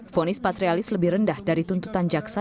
fonis patrialis lebih rendah dari tuntutan jaksa